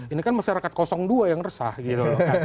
ini kan masyarakat dua yang resah gitu loh